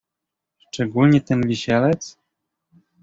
"Szczególnie ten Wisielec?"